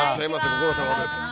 ご苦労さまです。